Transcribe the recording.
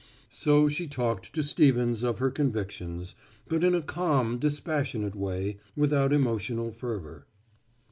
So she talked to Stevens of her convictions, but in a calm dispassionate way, without emotional fervor.